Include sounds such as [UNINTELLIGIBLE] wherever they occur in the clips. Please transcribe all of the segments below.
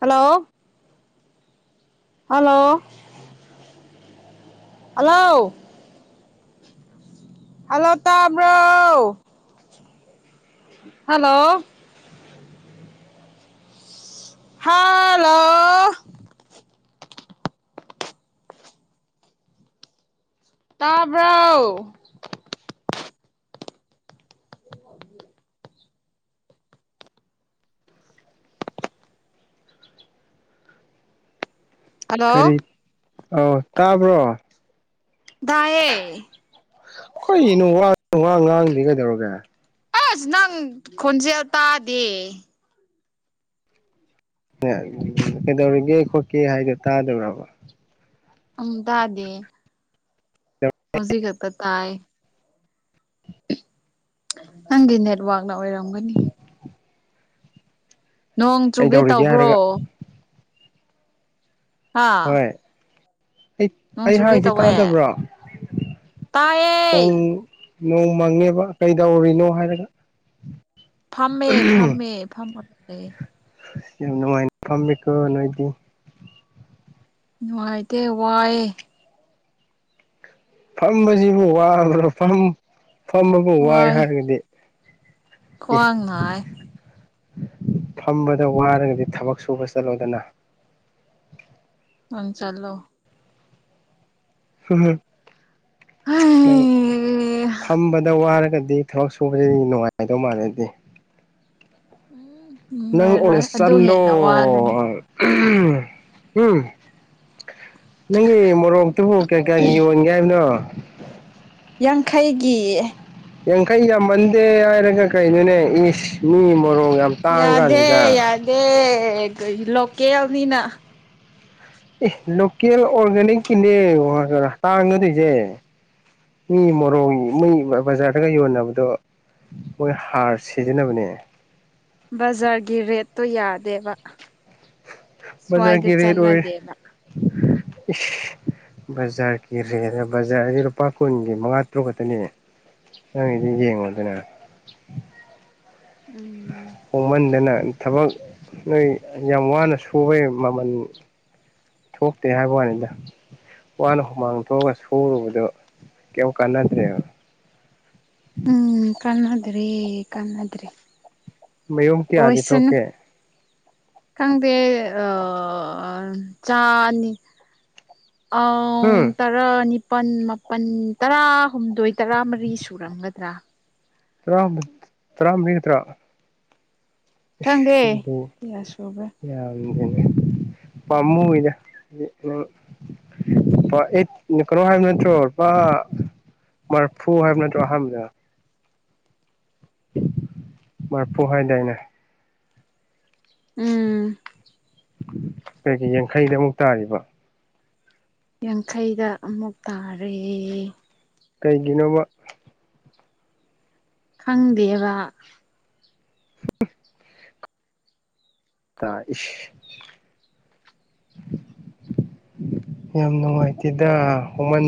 hello hello hello hello ꯇ ꯑꯃ꯭ꯔꯣ hello hello ꯇꯥꯕ꯭ꯔꯣ [INAUDIBLE] ꯀꯔꯤ ꯍꯜꯂꯣ ꯑꯥꯎ ꯇꯥꯕ꯭ꯔꯣ ꯗꯥꯌꯦꯦ ꯍꯈꯣꯏꯅꯣ ꯋꯥ ꯋꯥ ꯉꯥꯡꯗꯤ ꯀꯩꯗꯧꯔꯒꯦ ꯑꯁ ꯅꯪ ꯈꯣꯟꯖꯦꯜ ꯇꯥꯗꯦ ꯀꯩꯗꯧꯔꯤꯒꯦ ꯈꯣꯠꯀꯦ ꯍꯥꯏꯗꯣ ꯇꯥꯗꯧꯔꯕ ꯑ ꯇꯗꯦ ꯍꯧꯖꯤꯛꯄ ꯇꯥꯏ ꯅꯪꯗꯤ ꯅꯦꯠꯋꯥꯛꯅ ꯑꯣꯏꯔꯝꯒꯅꯤ ꯅꯣꯡ ꯆꯨꯒꯦ ꯀꯩꯗꯧꯔꯤꯒꯦ ꯇꯧꯕ꯭ꯔꯣ ꯍꯥꯏꯔꯒ ꯑꯥ ꯍꯣꯏ ꯑꯩ ꯑꯩ ꯍꯥꯡꯁꯦ ꯇꯥꯗꯕ꯭ꯔꯥ ꯇꯥꯏꯌꯦ ꯄꯣꯡ ꯅꯣꯡ ꯃꯪꯉꯦꯕ ꯀꯩꯗꯧꯔꯤꯅꯣ ꯍꯥꯏꯔꯒ ꯐꯝꯃꯦ ꯐꯥꯝꯃꯦ ꯐꯝꯃꯔꯦ ꯅꯅꯨꯡꯉꯥꯏ ꯐꯝꯕꯣ ꯅꯣꯏꯗꯤ ꯅꯨꯡꯉꯥꯏꯗꯦ ꯋꯥꯑꯦ ꯐꯝꯕꯁꯤꯕꯨ ꯋꯥ꯭ꯔꯥ ꯐꯝꯕꯕꯨ ꯋꯥꯏ ꯍꯥꯏꯔꯒꯗꯤ ꯑꯦ ꯈ꯭ꯋꯥꯡꯍꯥꯏ ꯐꯝꯕꯗ ꯋꯥꯔꯒꯗꯤ ꯊꯕꯛ ꯁꯨꯕ ꯆꯠꯂꯣꯗꯅ ꯅꯪ ꯆꯠꯂꯣ ꯅꯪ ꯎꯝ ꯐꯝꯕꯗ ꯋꯥꯔꯦ ꯈꯗꯤ ꯊꯕꯛ ꯁꯨꯕꯁꯤꯗꯤ ꯅꯨꯡꯉꯥꯏꯗꯧ ꯃꯥꯜꯂꯗꯤ ꯎꯝ ꯅꯪ ꯑꯣꯅ ꯆꯥꯠꯂꯣ ꯎꯝ ꯅꯪꯒꯤ ꯃꯣꯔꯣꯛꯇꯨꯕꯨ ꯀꯩ ꯀꯌꯥꯒꯤ ꯌꯣꯟꯒꯦ ꯍꯥꯏꯕꯅꯣ ꯌꯥꯡꯈꯩꯒꯤ ꯌꯥꯡꯈꯩ ꯌꯥꯝꯃꯟꯗꯦ ꯍꯥꯏꯔꯒ ꯀꯩꯅꯣꯅꯦ ꯏꯁ ꯃꯤ ꯃꯔꯣꯡ ꯌꯥꯗꯦ ꯌꯥꯗꯦ ꯂꯣꯀꯦꯜꯅꯤꯅ ꯑꯦ ꯂꯣꯀꯦꯜ ꯑꯣꯔꯒꯥꯅꯤꯛꯀꯤꯅꯦ ꯇꯥꯡꯒꯗꯣꯏꯁꯦ ꯃꯤ ꯃꯣꯔꯣꯛ ꯃꯩ ꯕꯖꯥꯔꯗꯒ ꯌꯣꯟꯅꯕꯗꯣ ꯃꯣꯏ ꯍꯥꯔ ꯁꯤꯖꯤꯟꯅꯕꯅꯦ ꯕꯖꯥꯔꯒꯤ ꯔꯦꯠꯇꯠꯇꯣ ꯌꯥꯗꯦꯕ ꯁ꯭ꯋꯥꯏꯗ ꯕꯖꯔꯒꯤ ꯔꯦꯠ ꯑꯣꯏ ꯆꯠꯅꯗꯦꯕ ꯕꯖꯥꯔꯒꯤ ꯔꯦꯠ ꯕꯖꯥꯔꯗꯤ ꯂꯨꯄꯥ ꯀꯨꯟꯒꯤ ꯃꯉꯥ ꯇꯔꯨꯛ ꯈꯛꯇꯅꯦ ꯑꯩꯒꯤꯗꯤ ꯌꯦꯉꯣꯗꯅ ꯎꯝ ꯍꯣꯡꯃꯥꯟꯗꯅ ꯊꯕꯛ ꯅꯣꯏ ꯌꯥꯝ ꯋꯥꯅ ꯁꯨꯕꯩ ꯃꯃꯜ ꯊꯣꯛꯇꯦ ꯍꯥꯏꯕ ꯋꯥꯅꯤꯗ ꯋꯥꯅ ꯍꯨꯃꯥꯡ ꯊꯣꯛꯑꯒ ꯁꯨꯔꯨꯕꯗ ꯀꯩꯝ ꯀꯥꯟꯅꯗ꯭ꯔꯦꯕ ꯎꯝ ꯀꯥꯟꯅꯗꯔ꯭ꯦ ꯀꯥꯅꯗ꯭ꯔꯦ ꯃꯌꯨꯝ ꯀꯌꯥꯗꯤ ꯊꯣꯛꯀꯦ ꯈꯪꯗꯦ ꯑ ꯆꯥ ꯑꯅꯤ ꯑ ꯎꯝ ꯇꯔꯥꯅꯤꯞ ꯃꯥꯄꯜ ꯃꯥꯄꯜ ꯇꯔꯥꯍꯨꯝꯗꯣꯏ ꯇꯔꯥ ꯃꯔꯤ ꯁꯨꯔꯝꯒꯗ꯭ꯔꯥ ꯇꯔꯥ ꯇꯔꯥꯃꯒ ꯇꯔꯥꯃꯔꯤ ꯅꯥꯠꯇꯔꯥ ꯊꯪꯒꯦ ꯌꯥꯁꯨꯕ ꯄꯥꯝꯃꯨꯏꯗ ꯄꯥꯥ ꯑꯩꯠ ꯀꯩꯅꯣ ꯍꯥꯏꯕ ꯅꯠꯇ꯭ꯔꯣ ꯄꯥ ꯃꯔꯐꯨ ꯍꯥꯏꯕ ꯅꯠꯇꯔꯣ ꯑꯍꯥꯝꯕꯗ ꯃꯔꯐꯨ ꯍꯥꯏꯗꯥꯏꯅꯦ ꯎꯝ ꯀꯩꯒꯤ ꯌꯥꯡꯈꯩꯗ ꯑꯃꯨꯛ ꯇꯥꯔꯤꯕ ꯌꯥꯡꯈꯩꯗ ꯑꯃꯨꯛ ꯇꯥꯔꯦ ꯀꯩꯒꯤꯅꯣꯕ ꯈꯪꯗꯦꯕ ꯇꯥ ꯏꯁ ꯌꯥꯝ ꯅꯨꯡꯉꯥꯏꯇꯦꯗ ꯍꯃꯟ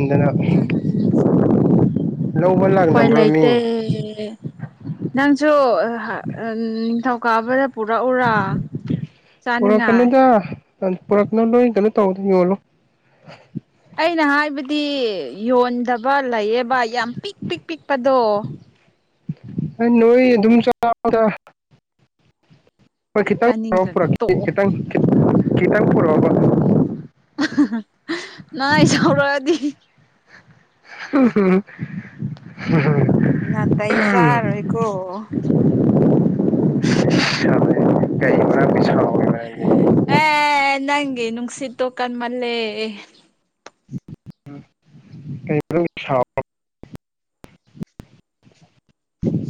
ꯎꯝ ꯂꯧꯕ ꯎꯄꯥꯏ ꯂꯥꯛꯅꯕ꯭ꯔꯣ ꯂꯩꯇꯦ ꯃꯤ ꯅꯪꯁꯨ ꯅꯤꯡꯊꯧ ꯀꯥꯎꯕꯗ ꯄꯨꯔꯥꯛ ꯎꯔꯥ ꯆꯥꯅꯤꯡꯉꯥꯏ ꯄꯨꯔꯛꯅꯣ ꯅꯣꯏ ꯀꯔꯤꯅꯣ ꯇꯧꯗ ꯌꯣꯜꯂꯣ ꯑꯩꯅ ꯍꯥꯏꯕꯗꯤ ꯌꯣꯟꯗꯕ ꯂꯩꯌꯦꯕ ꯌꯥꯝ ꯄꯤꯛ ꯄꯤꯛ ꯄꯤꯛꯄꯗꯣ ꯅꯣꯏ ꯑꯗꯨꯨꯝ ꯆꯥꯑꯣꯗ ꯍꯣꯏ ꯆꯥꯅꯤꯡꯗ꯭ꯔꯗꯤ ꯈꯤꯇꯪꯛꯑꯣꯔꯛ ꯇꯣꯛꯑꯣ ꯈꯤꯇꯪ ꯈꯤꯇꯪ ꯄꯨꯔꯛꯑꯣꯕ ꯅ ꯑꯩ ꯁꯥꯎꯔꯗꯤ ꯍꯨꯝ ꯍꯨꯝ ꯃꯇꯩ ꯆꯇꯣꯏ ꯀꯦ [UNINTELLIGIBLE] ꯀꯩ ꯃꯔꯝꯒꯤ ꯁꯥꯎꯔꯤ ꯅꯪꯗꯤ ꯑ ꯅꯪꯒꯤ ꯅꯪꯁꯤꯠꯇꯣ ꯀꯟꯃꯜ ꯂꯦ [UNINTELLIGIBLE]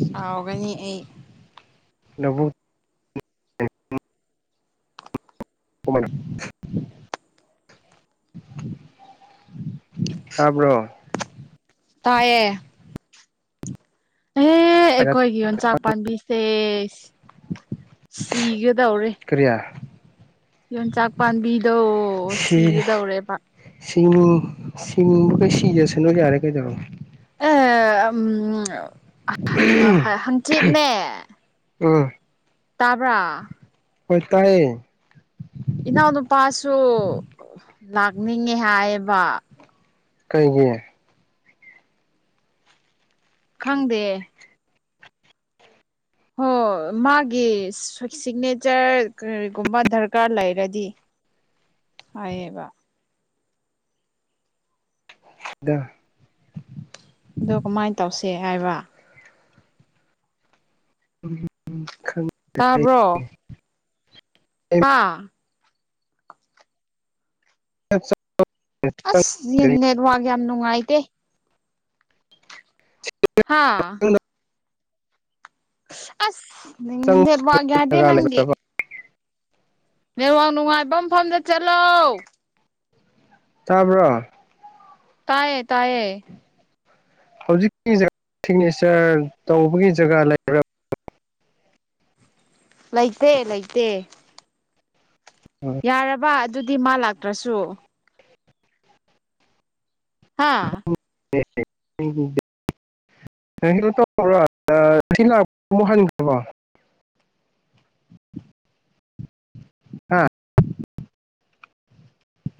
ꯁꯥꯎꯒꯅꯤ ꯑꯩ ꯂꯧꯕꯨ [UNINTELLIGIBLE] ꯇꯥꯕꯣ ꯇꯌꯦ ꯑꯦ ꯑꯩꯈꯣꯏꯒꯤ ꯌꯣꯟꯆꯥꯛ ꯄꯥꯝꯕꯤꯁꯦ ꯁꯤꯒꯗꯧꯔꯦ ꯀꯔꯤ ꯌꯣꯟꯆꯥꯛ ꯄꯥꯝꯕꯤꯗꯣ ꯁꯤꯒꯗꯧꯔꯦꯕ ꯍꯤꯡꯅꯤꯡ ꯁꯤꯅꯤꯡꯕꯈꯩ ꯁꯤꯖꯁꯅꯨ ꯌꯥꯔꯦ ꯀꯩꯗꯧꯔꯒ‌ꯦ ꯑ ꯎꯝ ꯍꯪꯆꯤꯠꯅꯦ ꯎꯝ ꯇꯥꯕ꯭ꯔ ꯍ‌ꯧꯏ ꯇꯥꯌ‌ꯦ ꯏꯅꯥꯎꯅꯨꯄꯥꯁꯨ ꯂꯥꯛꯅꯤꯡꯉꯦ ꯍꯥꯏꯌꯦꯕ ꯀꯩꯒꯤ ꯈꯪꯗꯦ ꯍ‌ꯣ ꯃꯥꯒꯤ ꯁꯤꯒꯅꯦꯆꯔ ꯀꯔꯤꯒꯨꯝꯕ ꯗꯔꯀꯥꯔ ꯂꯩꯔꯗꯤ ꯍꯥꯏꯌꯦꯕ [UNINTELLIGIBLE] ꯗ ꯑꯣ ꯀꯃꯥꯏꯅ ꯇꯧꯁꯦ ꯍꯥꯏꯕ ꯈꯪꯗ‌ꯦ ꯍꯥꯥ ꯈꯔꯥ ꯆꯞ ꯑꯁ ꯌꯦꯟ ꯅꯦꯠꯋꯥꯛ ꯌꯥꯝꯅꯨꯡꯉꯥꯏꯇꯦ ꯍꯥꯥ ꯑꯁ ꯅꯪ ꯆꯪꯕ ꯅ‌ꯦꯠꯋꯥꯛ ꯌꯥꯗꯦ ꯖꯒꯥ ꯅꯪꯒꯤ ꯂꯩꯕ꯭ꯔꯕ ꯅꯦꯋꯥꯛ ꯅꯨꯡꯉꯥꯏꯕ ꯃꯐꯝꯗ ꯆꯠꯂ‌ꯣ ꯇꯥꯕ꯭ꯔꯣ ꯇꯥꯏꯌꯦ ꯇꯥꯏꯌꯦ ꯍꯧꯖꯤꯛꯀꯤꯖ ꯁꯤꯒꯅꯦꯆꯔ ꯇꯧꯕꯒꯤ ꯖꯒꯥ ꯂꯩꯕ꯭ꯔꯕ ꯂꯩꯇ‌ꯦ ꯂꯩꯩꯇ‌ꯦ ꯌꯥꯔꯕ ꯑꯗꯨꯗꯤ ꯃꯥ ꯂꯥꯛꯇ꯭ꯔꯁꯨ ꯍꯥꯥ [UNINTELLIGIBLE] ꯀꯩꯅꯣ ꯇꯧ꯭ꯔꯣ ꯉ ꯂꯥꯛꯄ ꯍꯟꯈꯕꯣ ꯑ ꯍꯥꯥ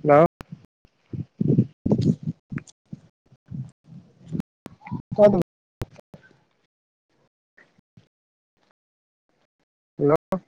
ꯍ‌ꯩꯂꯧ [UNINTELLIGIBLE] ꯍꯜꯂꯣ